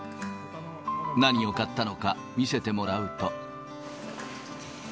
何を買ったのか見せてもらうと。